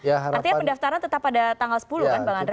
artinya pendaftaran tetap pada tanggal sepuluh kan bang andre